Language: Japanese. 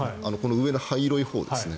上の灰色のほうですね。